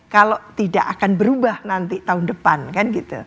kalau tidak akan berubah nanti tahun depan kan gitu